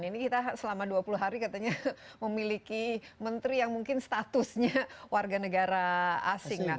ini kita selama dua puluh hari katanya memiliki menteri yang mungkin statusnya warga negara asing